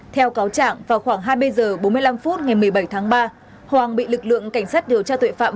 theo cáo trạng vào khoảng hai mươi h bốn mươi năm phút ngày một mươi bảy tháng ba hoàng bị lực lượng cảnh sát điều tra tội phạm